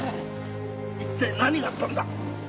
一体何があったんだ？